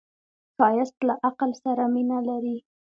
ښایست له عقل سره مینه لري